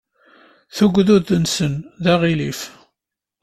Tugdut-nsen d aɣilif.